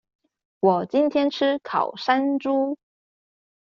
我今天吃烤山豬